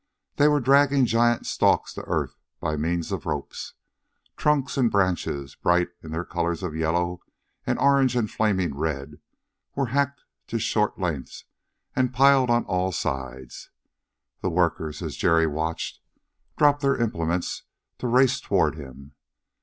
They were dragging giant stalks to earth by means of ropes. Trunks and branches, bright in their colors of yellow and orange and flaming red, were hacked to short lengths and piled on all sides. The workers, as Jerry watched, dropped their implements to race toward him.